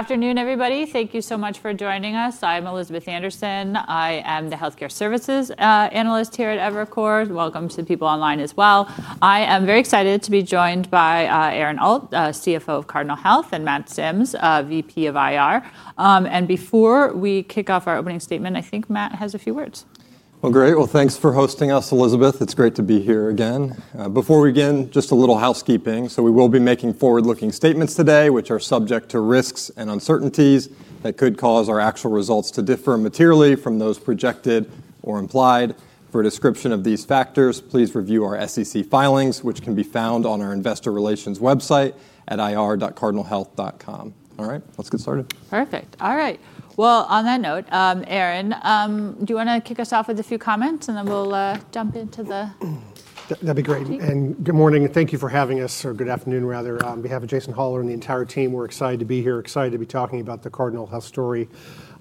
Afternoon, everybody. Thank you so much for joining us. I'm Elizabeth Anderson. I am the healthcare services analyst here at Evercore. Welcome to the people online as well. I am very excited to be joined by Aaron Alt, CFO of Cardinal Health, and Matt Sims, VP of IR, and before we kick off our opening statement, I think Matt has a few words. Great. Thanks for hosting us, Elizabeth. It's great to be here again. Before we begin, just a little housekeeping. We will be making forward-looking statements today, which are subject to risks and uncertainties that could cause our actual results to differ materially from those projected or implied. For a description of these factors, please review our SEC filings, which can be found on our investor relations website at ir.cardinalhealth.com. All right, let's get started. Perfect. All right. Well, on that note, Aaron, do you want to kick us off with a few comments and then we'll jump into the... That'd be great. And good morning. Thank you for having us, or good afternoon rather, on behalf of Jason Hollar and the entire team. We're excited to be here, excited to be talking about the Cardinal Health story.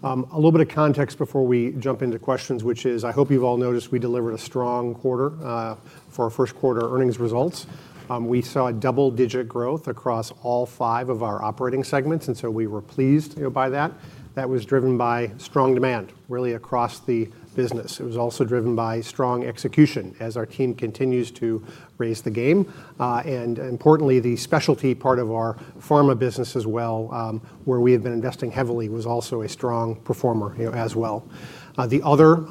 A little bit of context before we jump into questions, which is, I hope you've all noticed we delivered a strong quarter for our first quarter earnings results. We saw double-digit growth across all five of our operating segments, and so we were pleased by that. That was driven by strong demand, really, across the business. It was also driven by strong execution as our team continues to raise the game. And importantly, the specialty part of our pharma business as well, where we have been investing heavily, was also a strong performer as well. The other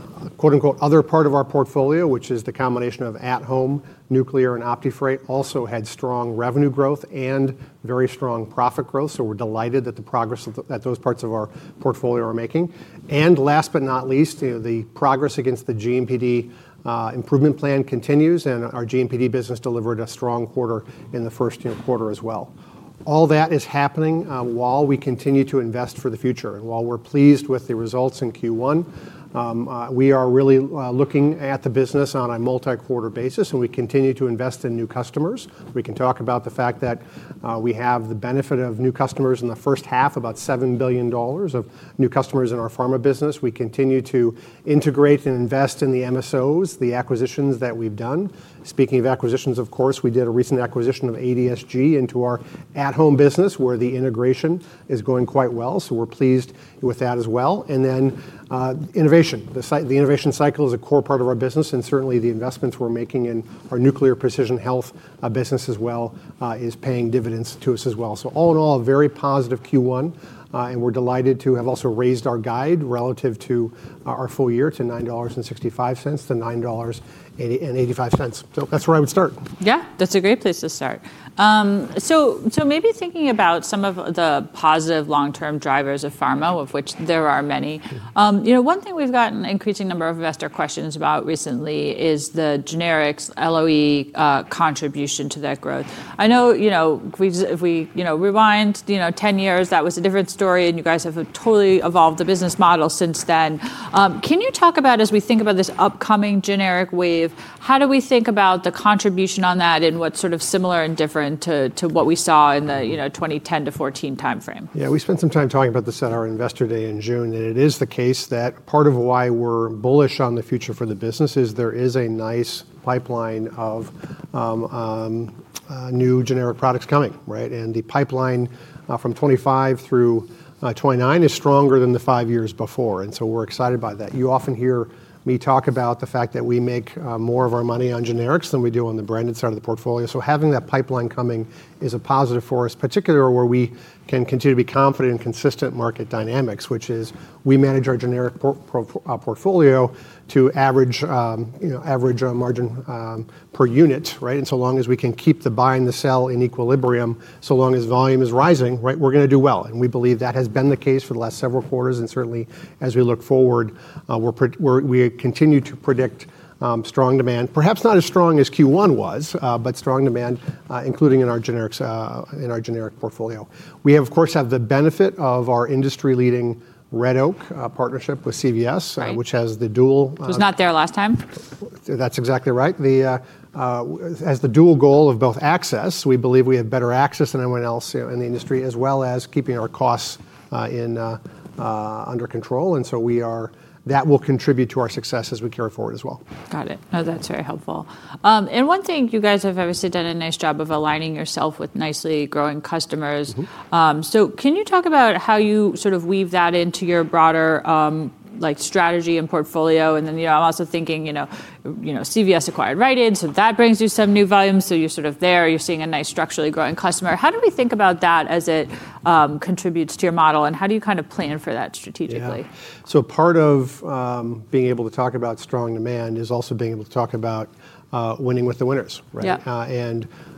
"other" part of our portfolio, which is the combination of at-Home, Nuclear and OptiFreight, also had strong revenue growth and very strong profit growth. So we're delighted that the progress that those parts of our portfolio are making. And last but not least, the progress against the GMPD improvement plan continues, and our GMPD business delivered a strong quarter in the first quarter as well. All that is happening while we continue to invest for the future. And while we're pleased with the results in Q1, we are really looking at the business on a multi-quarter basis, and we continue to invest in new customers. We can talk about the fact that we have the benefit of new customers in the first half, about $7 billion of new customers in our pharma business. We continue to integrate and invest in the MSOs, the acquisitions that we've done. Speaking of acquisitions, of course, we did a recent acquisition of ADSG into our at-Home business, where the integration is going quite well. So we're pleased with that as well, and then innovation. The innovation cycle is a core part of our business, and certainly the investments we're making in our Nuclear & Precision Health business as well is paying dividends to us as well. So all in all, a very positive Q1, and we're delighted to have also raised our guide relative to our full year to $9.65-$9.85. So that's where I would start. Yeah, that's a great place to start. So maybe thinking about some of the positive long-term drivers of pharma, of which there are many, one thing we've gotten an increasing number of investor questions about recently is the generics LOE contribution to that growth. I know if we rewind 10 years, that was a different story, and you guys have totally evolved the business model since then. Can you talk about, as we think about this upcoming generic wave, how do we think about the contribution on that and what's sort of similar and different to what we saw in the 2010 to 2014 timeframe? Yeah, we spent some time talking about this at our investor day in June, and it is the case that part of why we're bullish on the future for the business is there is a nice pipeline of new generic products coming, right? And the pipeline from 2025 through 2029 is stronger than the five years before. And so we're excited by that. You often hear me talk about the fact that we make more of our money on generics than we do on the branded side of the portfolio. So having that pipeline coming is a positive for us, particularly where we can continue to be confident in consistent market dynamics, which is we manage our generic portfolio to average margin per unit, right? And so long as we can keep the buy and the sell in equilibrium, so long as volume is rising, right, we're going to do well. And we believe that has been the case for the last several quarters. And certainly, as we look forward, we continue to predict strong demand, perhaps not as strong as Q1 was, but strong demand, including in our generics in our generic portfolio. We have, of course, the benefit of our industry-leading Red Oak partnership with CVS, which has the dual... Who's not there last time? That's exactly right. As the dual goal of both access, we believe we have better access than anyone else in the industry, as well as keeping our costs under control. And so that will contribute to our success as we carry forward as well. Got it. No, that's very helpful. And one thing, you guys have obviously done a nice job of aligning yourself with nicely growing customers. So can you talk about how you sort of weave that into your broader strategy and portfolio? And then I'm also thinking CVS acquired Rite Aid, so that brings you some new volume. So you're sort of there, you're seeing a nice structurally growing customer. How do we think about that as it contributes to your model, and how do you kind of plan for that strategically? Yeah. So part of being able to talk about strong demand is also being able to talk about winning with the winners, right?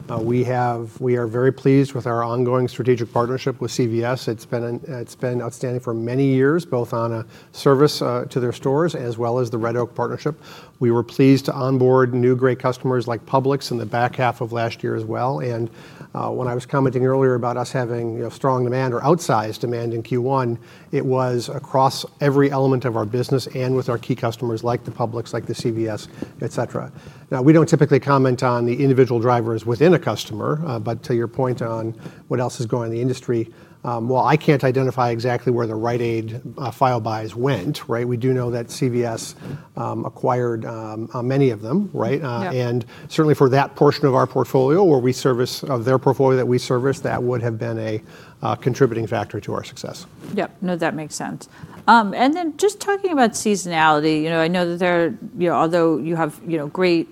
And we are very pleased with our ongoing strategic partnership with CVS. It's been outstanding for many years, both on a service to their stores as well as the Red Oak partnership. We were pleased to onboard new great customers like Publix in the back half of last year as well. And when I was commenting earlier about us having strong demand or outsized demand in Q1, it was across every element of our business and with our key customers like the Publix, like the CVS, et cetera. Now, we don't typically comment on the individual drivers within a customer, but to your point on what else is going on in the industry, well, I can't identify exactly where the Rite Aid file buys went, right? We do know that CVS acquired many of them, right? And certainly for that portion of our portfolio or their portfolio that we service, that would have been a contributing factor to our success. Yep. No, that makes sense. And then just talking about seasonality, I know that there, although you have great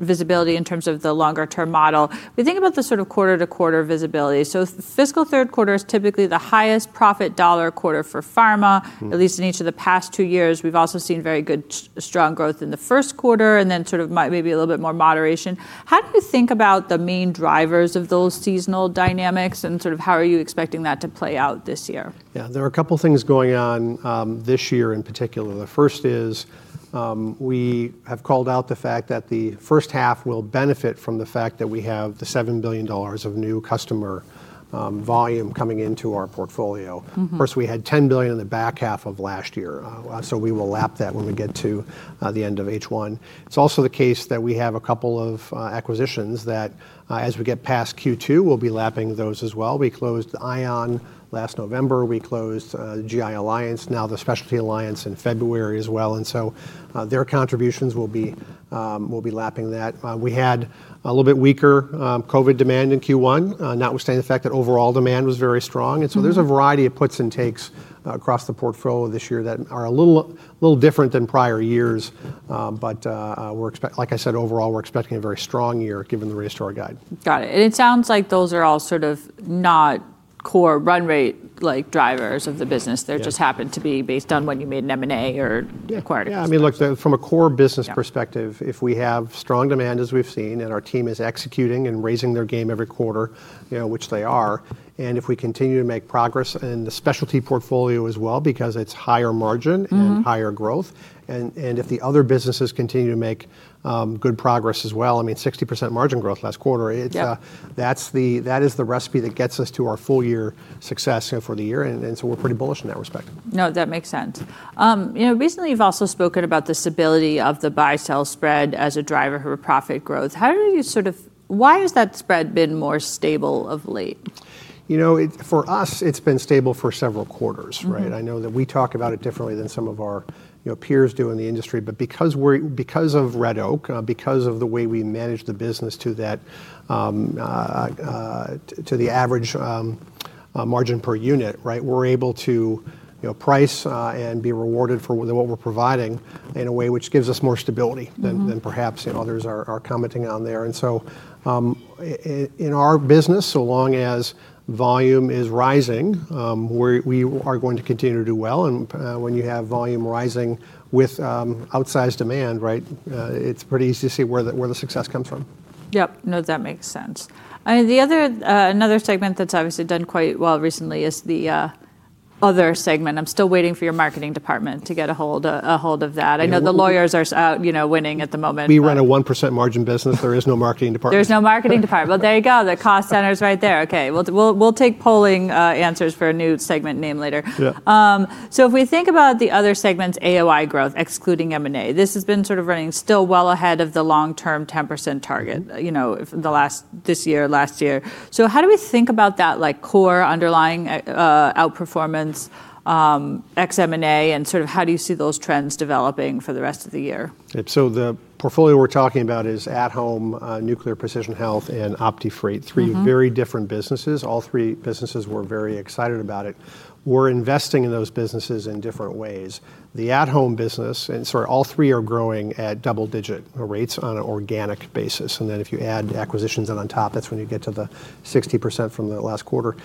visibility in terms of the longer-term model, we think about the sort of quarter-to-quarter visibility. So fiscal third quarter is typically the highest profit dollar quarter for pharma, at least in each of the past two years. We've also seen very good strong growth in the first quarter and then sort of maybe a little bit more moderation. How do you think about the main drivers of those seasonal dynamics and sort of how are you expecting that to play out this year? Yeah, there are a couple of things going on this year in particular. The first is we have called out the fact that the first half will benefit from the fact that we have the $7 billion of new customer volume coming into our portfolio. Of course, we had $10 billion in the back half of last year, so we will lap that when we get to the end of H1. It's also the case that we have a couple of acquisitions that as we get past Q2, we'll be lapping those as well. We closed ION last November. We closed GI Alliance, now the Specialty Alliance in February as well. And so their contributions will be lapping that. We had a little bit weaker COVID demand in Q1, notwithstanding the fact that overall demand was very strong. And so there's a variety of puts and takes across the portfolio this year that are a little different than prior years. But like I said, overall, we're expecting a very strong year given the rate of store guide. Got it. And it sounds like those are all sort of not core run rate drivers of the business. They just happen to be based on when you made an M&A or acquired a company. Yeah. I mean, look, from a core business perspective, if we have strong demand as we've seen and our team is executing and raising their game every quarter, which they are, and if we continue to make progress in the specialty portfolio as well because it's higher margin and higher growth, and if the other businesses continue to make good progress as well, I mean, 60% margin growth last quarter, that is the recipe that gets us to our full year success for the year, and so we're pretty bullish in that respect. No, that makes sense. Recently, you've also spoken about the stability of the buy-sell spread as a driver for profit growth. How do you sort of, why has that spread been more stable of late? You know, for us, it's been stable for several quarters, right? I know that we talk about it differently than some of our peers do in the industry, but because of Red Oak, because of the way we manage the business to the average margin per unit, right, we're able to price and be rewarded for what we're providing in a way which gives us more stability than perhaps others are commenting on there. And so in our business, so long as volume is rising, we are going to continue to do well. And when you have volume rising with outsized demand, right, it's pretty easy to see where the success comes from. Yep. No, that makes sense. And another segment that's obviously done quite well recently is the other segment. I'm still waiting for your marketing department to get a hold of that. I know the lawyers are winning at the moment. We run a 1% margin business. There is no marketing department. There's no marketing department. Well, there you go. The cost center's right there. Okay. We'll take polling answers for a new segment name later. So if we think about the other segments, AOI growth, excluding M&A, this has been sort of running still well ahead of the long-term 10% target this year, last year. So how do we think about that core underlying outperformance, ex-M&A, and sort of how do you see those trends developing for the rest of the year? So the portfolio we're talking about is at-Home, Nuclear & Precision Health, and OptiFreight, three very different businesses. All three businesses were very excited about it. We're investing in those businesses in different ways. The at-Home business, and sorry, all three are growing at double-digit rates on an organic basis. And then if you add acquisitions on top, that's when you get to the 60% from the last quarter.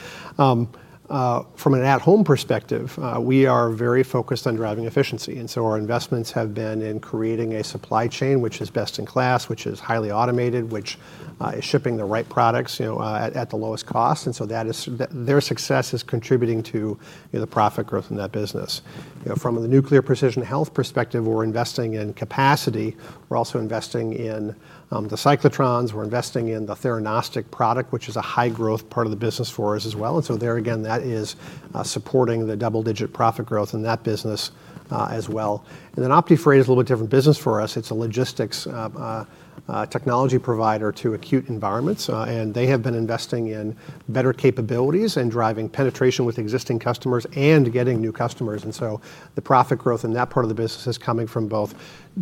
From an at-Home perspective, we are very focused on driving efficiency. And so our investments have been in creating a supply chain which is best in class, which is highly automated, which is shipping the right products at the lowest cost. And so their success is contributing to the profit growth in that business. From the Nuclear & Precision Health perspective, we're investing in capacity. We're also investing in the cyclotrons. We're investing in the theranostics product, which is a high-growth part of the business for us as well. And so there, again, that is supporting the double-digit profit growth in that business as well. And then OptiFreight is a little bit different business for us. It's a logistics technology provider to acute environments. And they have been investing in better capabilities and driving penetration with existing customers and getting new customers. And so the profit growth in that part of the business is coming from both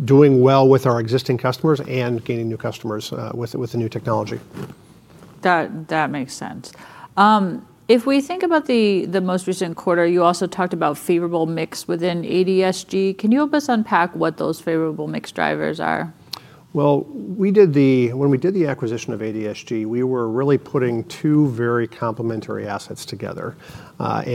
doing well with our existing customers and gaining new customers with the new technology. That makes sense. If we think about the most recent quarter, you also talked about favorable mix within ADSG. Can you help us unpack what those favorable mix drivers are? When we did the acquisition of ADSG, we were really putting two very complementary assets together. Let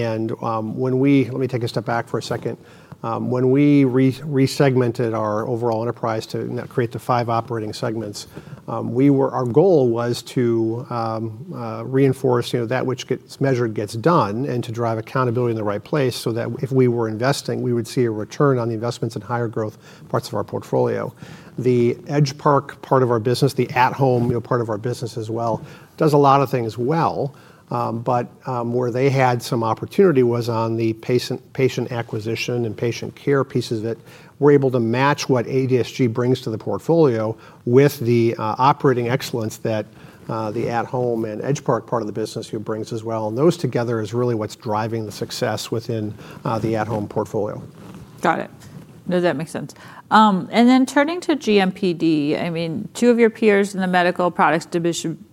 me take a step back for a second. When we resegmented our overall enterprise to create the five operating segments, our goal was to reinforce that which gets measured gets done and to drive accountability in the right place so that if we were investing, we would see a return on the investments in higher growth parts of our portfolio. The Edgepark part of our business, the at-Home part of our business as well, does a lot of things well. Where they had some opportunity was on the patient acquisition and patient care pieces that were able to match what ADSG brings to the portfolio with the operating excellence that the at-Home and Edgepark part of the business brings as well. And those together is really what's driving the success within the at-Home portfolio. Got it. No, that makes sense. And then turning to GMPD, I mean, two of your peers in the medical products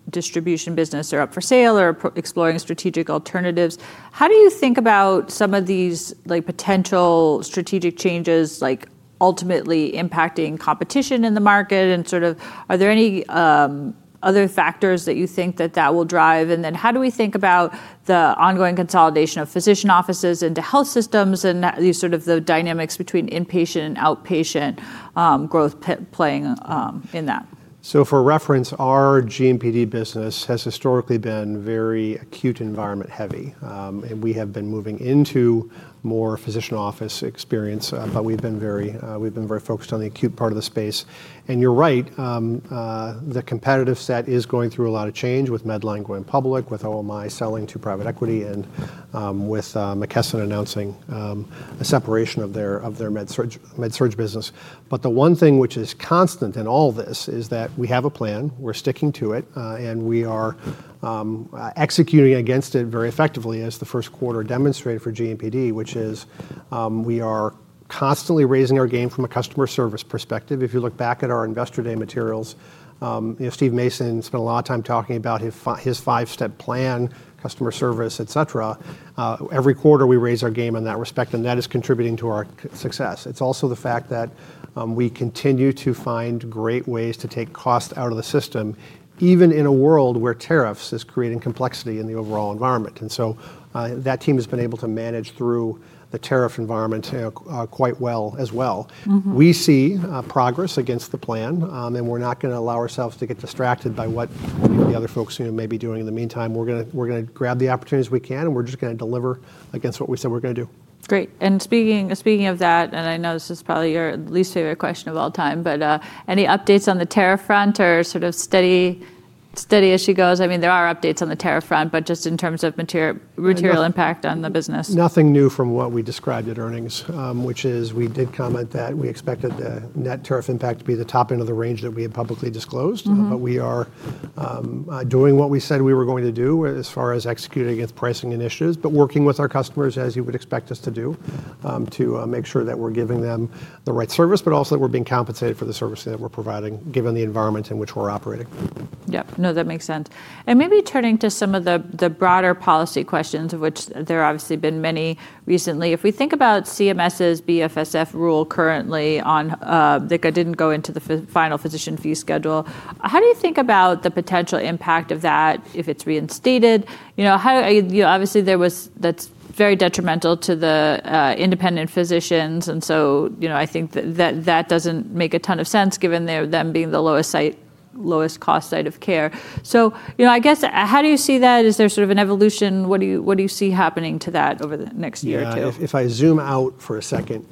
distribution business are up for sale or exploring strategic alternatives. How do you think about some of these potential strategic changes ultimately impacting competition in the market? And sort of are there any other factors that you think that will drive? And then how do we think about the ongoing consolidation of physician offices into health systems and sort of the dynamics between inpatient and outpatient growth playing in that? So for reference, our GMPD business has historically been very acute environment heavy. And we have been moving into more physician office experience, but we've been very focused on the acute part of the space. And you're right, the competitive set is going through a lot of change with Medline going public, with OMI selling to private equity, and with McKesson announcing a separation of their med-surg business. But the one thing which is constant in all this is that we have a plan. We're sticking to it. And we are executing against it very effectively, as the first quarter demonstrated for GMPD, which is we are constantly raising our game from a customer service perspective. If you look back at our investor day materials, Steve Mason spent a lot of time talking about his five-step plan, customer service, et cetera. Every quarter, we raise our game in that respect, and that is contributing to our success. It's also the fact that we continue to find great ways to take cost out of the system, even in a world where tariffs is creating complexity in the overall environment. And so that team has been able to manage through the tariff environment quite well as well. We see progress against the plan, and we're not going to allow ourselves to get distracted by what the other folks may be doing in the meantime. We're going to grab the opportunities we can, and we're just going to deliver against what we said we're going to do. Great. And speaking of that, and I know this is probably your least favorite question of all time, but any updates on the tariff front or sort of steady as she goes? I mean, there are updates on the tariff front, but just in terms of material impact on the business. Nothing new from what we described at earnings, which is we did comment that we expected the net tariff impact to be the top end of the range that we had publicly disclosed, but we are doing what we said we were going to do as far as executing against pricing initiatives, but working with our customers as you would expect us to do to make sure that we're giving them the right service, but also that we're being compensated for the services that we're providing given the environment in which we're operating. Yep. No, that makes sense. And maybe turning to some of the broader policy questions, of which there have obviously been many recently. If we think about CMS's BFSF rule currently, I didn't go into the final physician fee schedule. How do you think about the potential impact of that if it's reinstated? Obviously, that's very detrimental to the independent physicians. And so I think that that doesn't make a ton of sense given them being the lowest cost side of care. So I guess how do you see that? Is there sort of an evolution? What do you see happening to that over the next year or two? If I zoom out for a second,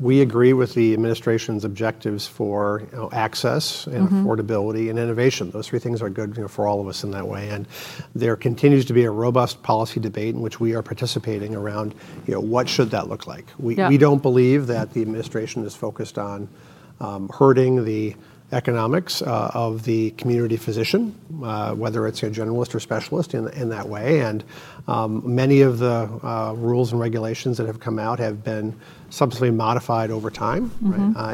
we agree with the administration's objectives for access, affordability, and innovation. Those three things are good for all of us in that way. And there continues to be a robust policy debate in which we are participating around what should that look like. We don't believe that the administration is focused on hurting the economics of the community physician, whether it's a generalist or specialist in that way. And many of the rules and regulations that have come out have been subsequently modified over time.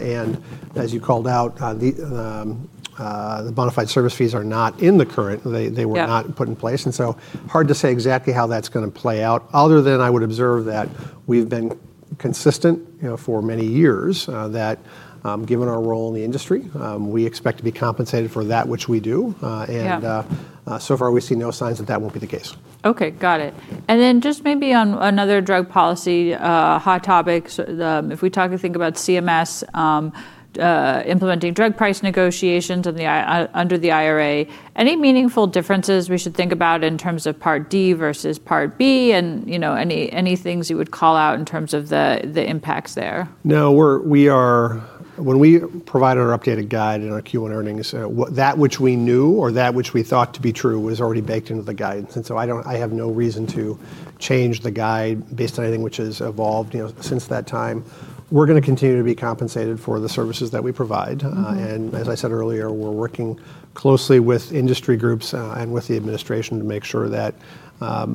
And as you called out, the bona fide service fees are not in the current. They were not put in place. And so, hard to say exactly how that's going to play out other than I would observe that we've been consistent for many years that given our role in the industry, we expect to be compensated for that, which we do. And so far, we see no signs that that won't be the case. Okay. Got it. And then just maybe on another drug policy hot topic, if we were to think about CMS implementing drug price negotiations under the IRA, any meaningful differences we should think about in terms of Part D versus Part B and any things you would call out in terms of the impacts there? No, when we provided our updated guide in our Q1 earnings, that which we knew or that which we thought to be true was already baked into the guidance. And so I have no reason to change the guide based on anything which has evolved since that time. We're going to continue to be compensated for the services that we provide. And as I said earlier, we're working closely with industry groups and with the administration to make sure that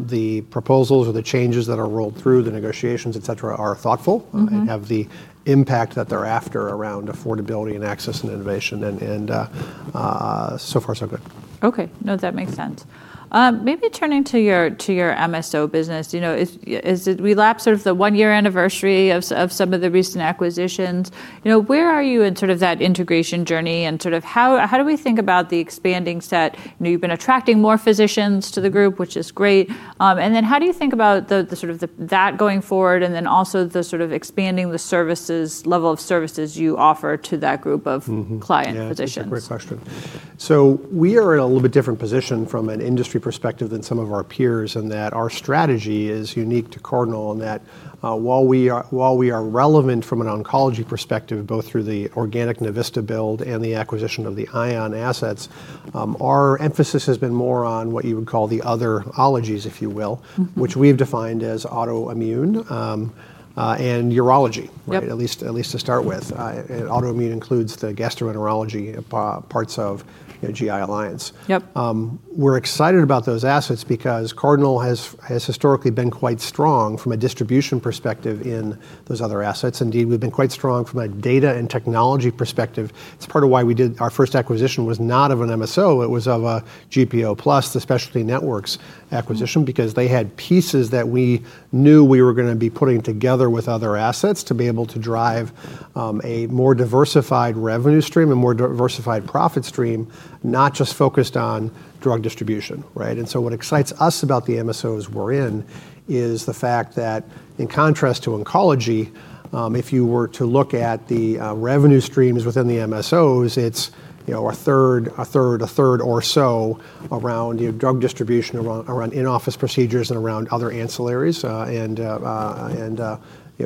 the proposals or the changes that are rolled through the negotiations, et cetera, are thoughtful and have the impact that they're after around affordability and access and innovation. And so far, so good. Okay. No, that makes sense. Maybe turning to your MSO business, we lapped sort of the one-year anniversary of some of the recent acquisitions. Where are you in sort of that integration journey? And sort of how do we think about the expanding set? You've been attracting more physicians to the group, which is great. And then how do you think about that going forward and then also the sort of expanding the level of services you offer to that group of client physicians? Yeah. That's a great question. So we are in a little bit different position from an industry perspective than some of our peers in that our strategy is unique to Cardinal in that while we are relevant from an oncology perspective, both through the organic Navista build and the acquisition of the ION assets, our emphasis has been more on what you would call the other ologies, if you will, which we have defined as autoimmune and urology, at least to start with. Autoimmune includes the gastroenterology parts of GI Alliance. We're excited about those assets because Cardinal has historically been quite strong from a distribution perspective in those other assets. Indeed, we've been quite strong from a data and technology perspective. It's part of why our first acquisition was not of an MSO. It was a GPO plus the Specialty Networks acquisition, because they had pieces that we knew we were going to be putting together with other assets to be able to drive a more diversified revenue stream and more diversified profit stream, not just focused on drug distribution. And so what excites us about the MSOs we're in is the fact that in contrast to oncology, if you were to look at the revenue streams within the MSOs, it's a third, a third, a third or so around drug distribution, around in-office procedures, and around other ancillaries and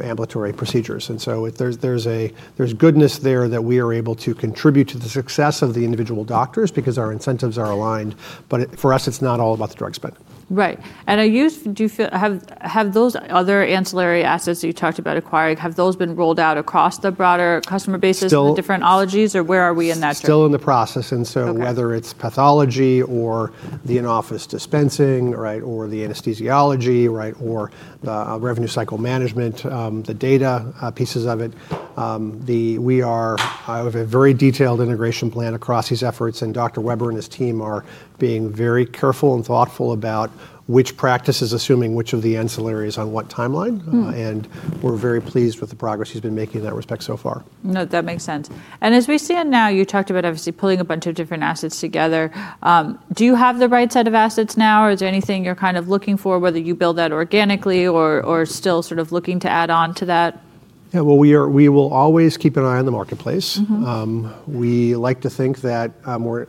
ambulatory procedures. And so there's goodness there that we are able to contribute to the success of the individual doctors because our incentives are aligned. But for us, it's not all about the drug spend. Right. And do you have those other ancillary assets that you talked about acquiring, have those been rolled out across the broader customer bases for the different ologies, or where are we in that journey? Still in the process. And so whether it's pathology or the in-office dispensing or the anesthesiology or the revenue cycle management, the data pieces of it, we have a very detailed integration plan across these efforts. And Dr. Weber and his team are being very careful and thoughtful about which practices, assuming which of the ancillaries on what timeline. And we're very pleased with the progress he's been making in that respect so far. No, that makes sense. And as we stand now, you talked about obviously pulling a bunch of different assets together. Do you have the right set of assets now, or is there anything you're kind of looking for, whether you build that organically or still sort of looking to add on to that? Yeah. Well, we will always keep an eye on the marketplace. We like to think that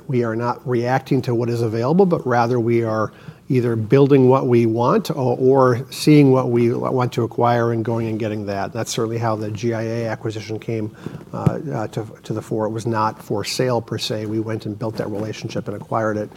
we are not reacting to what is available, but rather we are either building what we want or seeing what we want to acquire and going and getting that. That's certainly how the GI Alliance acquisition came to the fore. It was not for sale per se. We went and built that relationship and acquired it.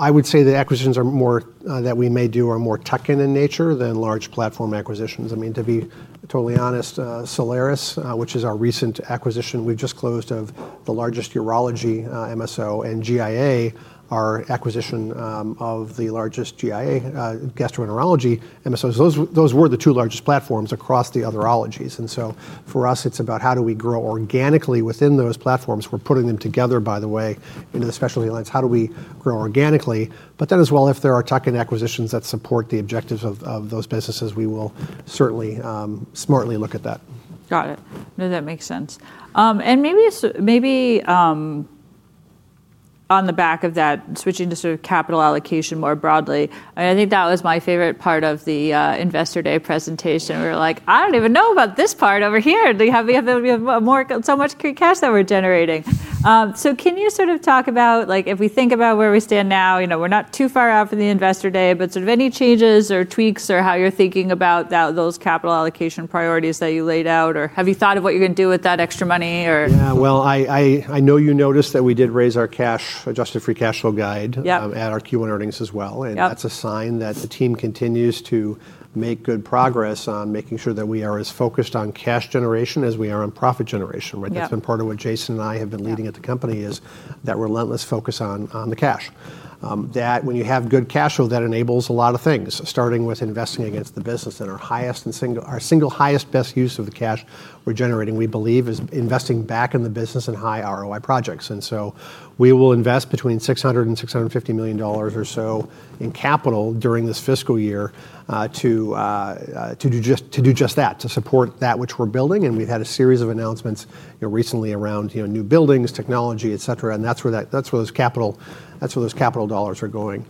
I would say the acquisitions that we may do are more tuck-in in nature than large platform acquisitions. I mean, to be totally honest, Solaris, which is our recent acquisition, we've just closed on the largest urology MSO and GI Alliance, our acquisition of the largest GI Alliance gastroenterology MSOs. Those were the two largest platforms across the other ologies. And so for us, it's about how do we grow organically within those platforms. We're putting them together, by the way, into the Specialty Alliance. How do we grow organically? But then as well, if there are tuck-in acquisitions that support the objectives of those businesses, we will certainly smartly look at that. Got it. No, that makes sense. And maybe on the back of that, switching to sort of capital allocation more broadly, I think that was my favorite part of the investor day presentation. We were like, I don't even know about this part over here. We have so much cash that we're generating. So can you sort of talk about if we think about where we stand now? We're not too far out from the investor day, but sort of any changes or tweaks or how you're thinking about those capital allocation priorities that you laid out, or have you thought of what you're going to do with that extra money? Yeah. Well, I know you noticed that we did raise our adjusted free cash flow guide at our Q1 earnings as well. And that's a sign that the team continues to make good progress on making sure that we are as focused on cash generation as we are on profit generation. That's been part of what Jason and I have been leading at the company is that relentless focus on the cash. That, when you have good cash flow, that enables a lot of things, starting with investing against the business. And our single highest best use of the cash we're generating, we believe, is investing back in the business and high ROI projects. And so we will invest between $600 million-$650 million or so in capital during this fiscal year to do just that, to support that which we're building. And we've had a series of announcements recently around new buildings, technology, et cetera. And that's where those capital dollars are going.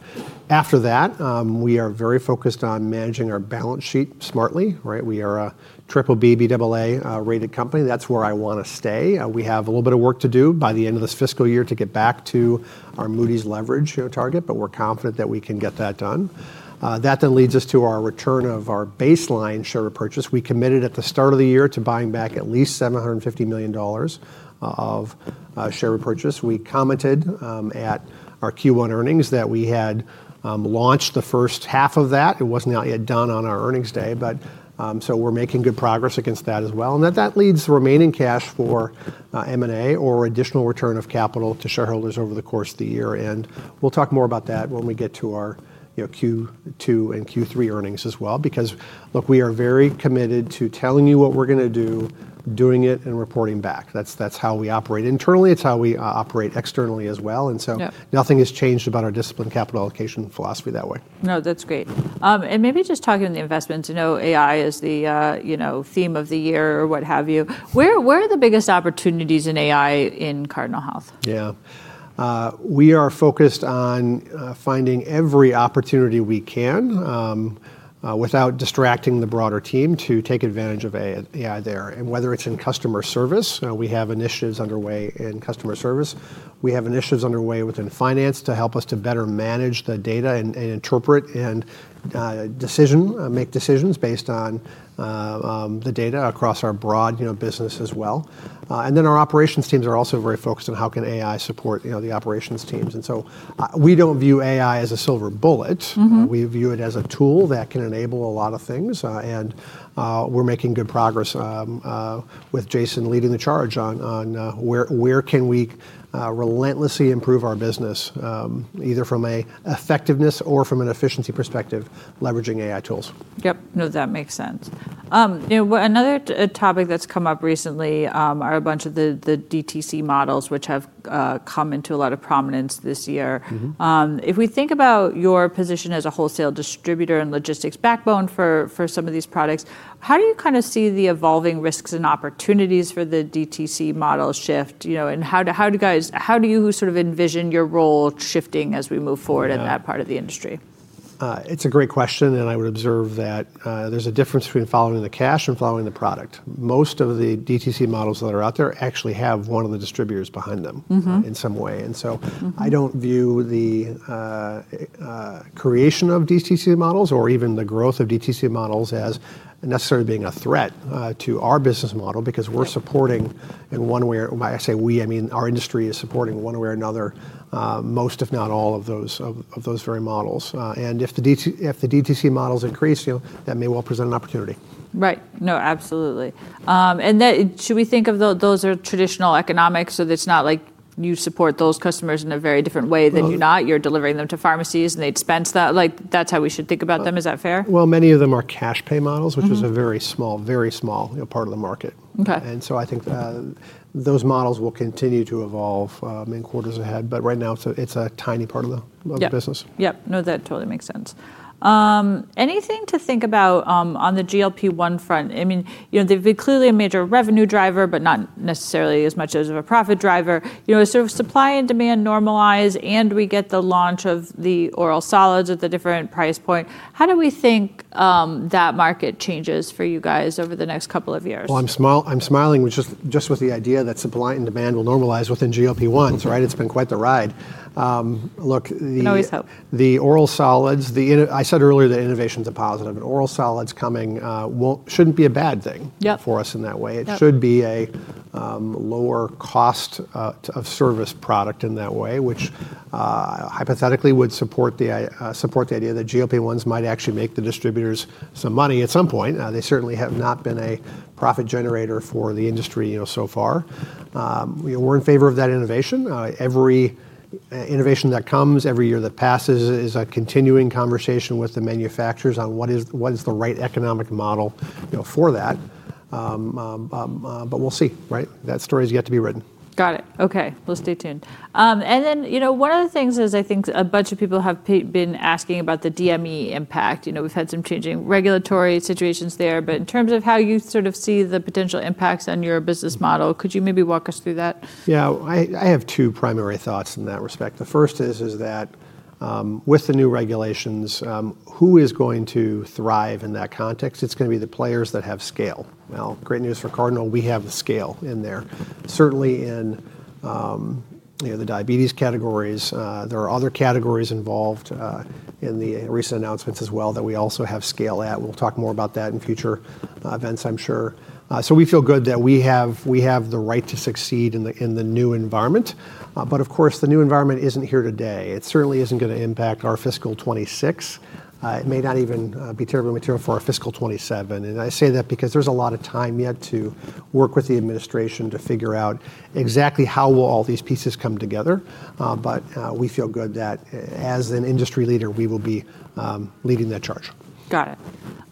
After that, we are very focused on managing our balance sheet smartly. We are a BBB AA rated company. That's where I want to stay. We have a little bit of work to do by the end of this fiscal year to get back to our Moody's leverage target, but we're confident that we can get that done. That then leads us to our return of capital, our baseline share repurchase. We committed at the start of the year to buying back at least $750 million of share repurchase. We commented at our Q1 earnings that we had launched the first half of that. It wasn't out yet done on our earnings day. But so we're making good progress against that as well. And that leads the remaining cash for M&A or additional return of capital to shareholders over the course of the year. And we'll talk more about that when we get to our Q2 and Q3 earnings as well because, look, we are very committed to telling you what we're going to do, doing it, and reporting back. That's how we operate internally. It's how we operate externally as well. And so nothing has changed about our disciplined capital allocation philosophy that way. No, that's great. And maybe just talking on the investments, AI is the theme of the year or what have you. Where are the biggest opportunities in AI in Cardinal Health? Yeah. We are focused on finding every opportunity we can without distracting the broader team to take advantage of AI there. And whether it's in customer service, we have initiatives underway in customer service. We have initiatives underway within finance to help us to better manage the data and interpret and make decisions based on the data across our broad business as well. And then our operations teams are also very focused on how can AI support the operations teams. And so we don't view AI as a silver bullet. We view it as a tool that can enable a lot of things. And we're making good progress with Jason leading the charge on where can we relentlessly improve our business either from an effectiveness or from an efficiency perspective leveraging AI tools. Yep. No, that makes sense. Another topic that's come up recently are a bunch of the DTC models, which have come into a lot of prominence this year. If we think about your position as a wholesale distributor and logistics backbone for some of these products, how do you kind of see the evolving risks and opportunities for the DTC model shift? And how do you sort of envision your role shifting as we move forward in that part of the industry? It's a great question. And I would observe that there's a difference between following the cash and following the product. Most of the DTC models that are out there actually have one of the distributors behind them in some way. And so I don't view the creation of DTC models or even the growth of DTC models as necessarily being a threat to our business model because we're supporting in one way or I say we, I mean, our industry is supporting one way or another most, if not all, of those very models. And if the DTC models increase, that may well present an opportunity. Right. No, absolutely. And should we think of those as traditional economics so that it's not like you support those customers in a very different way than you do? You're delivering them to pharmacies and they dispense that. That's how we should think about them. Is that fair? Many of them are cash pay models, which is a very small, very small part of the market, and so I think those models will continue to evolve in quarters ahead, but right now, it's a tiny part of the business. Yep. No, that totally makes sense. Anything to think about on the GLP-1 front? I mean, they've been clearly a major revenue driver, but not necessarily as much as a profit driver. Sort of supply and demand normalize and we get the launch of the oral solids at the different price point. How do we think that market changes for you guys over the next couple of years? I'm smiling just with the idea that supply and demand will normalize within GLP-1. It's been quite the ride. Look. Always hope. The oral solids, I said earlier the innovation depot, but oral solids coming shouldn't be a bad thing for us in that way. It should be a lower cost of service product in that way, which hypothetically would support the idea that GLP-1s might actually make the distributors some money at some point. They certainly have not been a profit generator for the industry so far. We're in favor of that innovation. Every innovation that comes every year that passes is a continuing conversation with the manufacturers on what is the right economic model for that. But we'll see. That story has yet to be written. Got it. Okay. We'll stay tuned. And then one of the things is I think a bunch of people have been asking about the DME impact. We've had some changing regulatory situations there. But in terms of how you sort of see the potential impacts on your business model, could you maybe walk us through that? Yeah. I have two primary thoughts in that respect. The first is that with the new regulations, who is going to thrive in that context? It's going to be the players that have scale. Now, great news for Cardinal, we have the scale in there. Certainly in the diabetes categories, there are other categories involved in the recent announcements as well that we also have scale at. We'll talk more about that in future events, I'm sure. So we feel good that we have the right to succeed in the new environment. But of course, the new environment isn't here today. It certainly isn't going to impact our fiscal 2026. It may not even be terribly material for our fiscal 2027. And I say that because there's a lot of time yet to work with the administration to figure out exactly how will all these pieces come together. We feel good that as an industry leader, we will be leading that charge. Got it.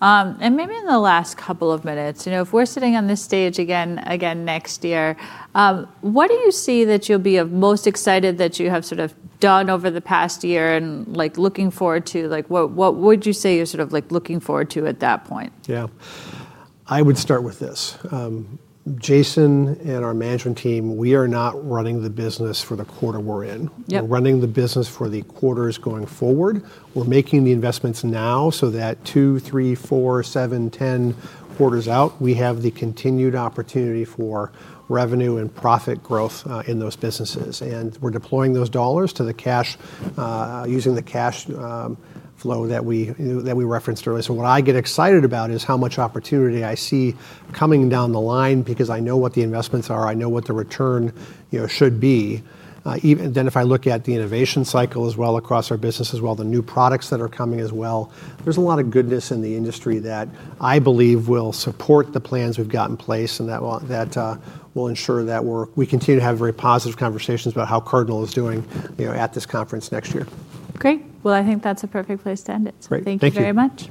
And maybe in the last couple of minutes, if we're sitting on this stage again next year, what do you see that you'll be most excited that you have sort of done over the past year and looking forward to? What would you say you're sort of looking forward to at that point? Yeah. I would start with this. Jason and our management team, we are not running the business for the quarter we're in. We're running the business for the quarters going forward. We're making the investments now so that two, three, four, seven, ten quarters out, we have the continued opportunity for revenue and profit growth in those businesses, and we're deploying those dollars using the cash flow that we referenced earlier, so what I get excited about is how much opportunity I see coming down the line because I know what the investments are. I know what the return should be. Then, if I look at the innovation cycle as well across our business as well, the new products that are coming as well, there's a lot of goodness in the industry that I believe will support the plans we've got in place and that will ensure that we continue to have very positive conversations about how Cardinal is doing at this conference next year. Great. Well, I think that's a perfect place to end it. Thank you very much.